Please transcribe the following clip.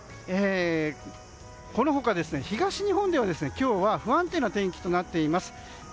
この他、東日本では、今日は不安定な天気となっています。